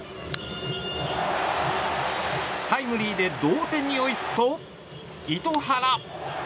タイムリーで同点に追いつくと糸原！